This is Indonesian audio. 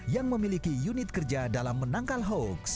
yang memiliki unit kerja dalam menangkal hoax